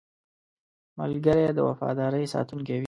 ملګری د وفادارۍ ساتونکی وي